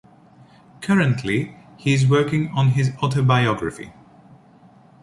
Currently, he is working on his autobiography.